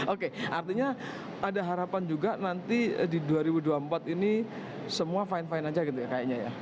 oke artinya ada harapan juga nanti di dua ribu dua puluh empat ini semua fine fine aja gitu ya kayaknya ya